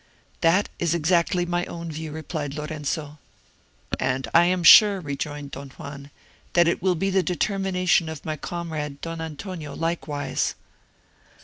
"That is exactly my own view," replied Lorenzo. "And I am sure," rejoined Don Juan, "that it will be the determination of my comrade, Don Antonio, likewise."